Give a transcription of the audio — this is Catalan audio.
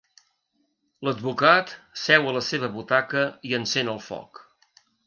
L'advocat seu a la seva butaca i encén el foc.